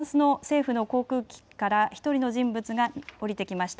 先ほどフランス政府の航空機から１人の人物が降りてきました。